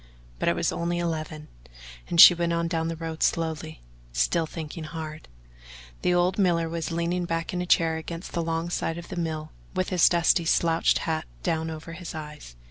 But it was only eleven, and she went on down the road slowly, still thinking hard. The old miller was leaning back in a chair against the log side of the mill, with his dusty slouched hat down over his eyes.